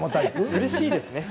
うれしいですね。